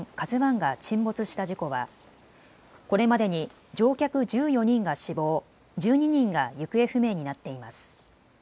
ＫＡＺＵＩが沈没した事故はこれまでに乗客１４人が死亡、１２人が行方不明になっています。